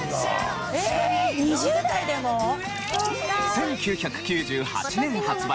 １９９８年発売